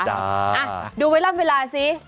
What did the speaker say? อะดูไวรัมเวลาสิ